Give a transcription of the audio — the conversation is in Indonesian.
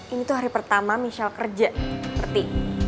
ini tuh hari pertama michelle kerja ngerti